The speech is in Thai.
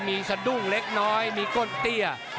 มีสะดุ้งเล็กน้อยมีก้นเตี้ย